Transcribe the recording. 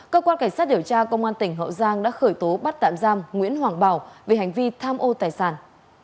cơ quan cảnh sát điều tra công an tỉnh hậu giang đã khởi tố bắt tạm giam nguyễn hoàng bảo về hành vi tham ô tài sản